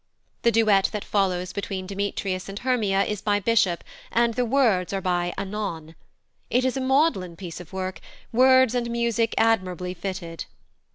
The duet that follows between Demetrius and Hermia is by Bishop, and the words are by Anon.; it is a maudlin piece of work, words and music admirably fitted.